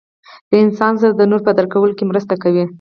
له انسان سره د نورو په درک کولو کې مرسته کوي.